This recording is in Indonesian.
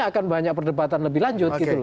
akan banyak perdebatan lebih lanjut